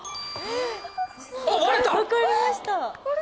分かれました